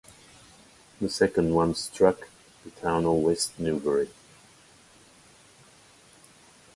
The second one struck the town of West Newbury.